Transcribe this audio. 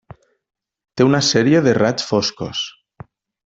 Té una sèrie de raigs foscos.